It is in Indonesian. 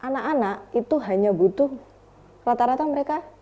anak anak itu hanya butuh rata rata mereka